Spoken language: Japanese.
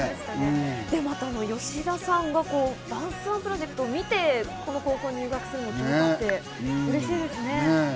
吉田さんがダンスＯＮＥプロジェクトを見て、この高校に入学するってステキですね、嬉しいですね。